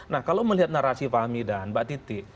nah kalau melihat narasi fahmi dan mbak titi